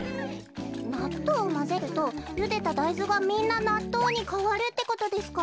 なっとうをまぜるとゆでただいずがみんななっとうにかわるってことですか？